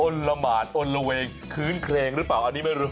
ละหมานอนละเวงคื้นเคลงหรือเปล่าอันนี้ไม่รู้